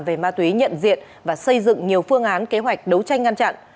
về ma túy nhận diện và xây dựng nhiều phương án kế hoạch đấu tranh ngăn chặn